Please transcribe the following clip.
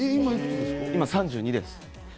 今３２です。